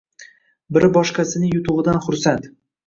Biri boshqasining yutug‘idan xursand.